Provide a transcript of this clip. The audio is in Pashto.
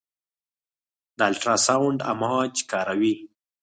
د الټراساونډ امواج کاروي.